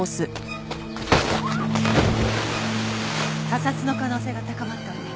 他殺の可能性が高まったわね。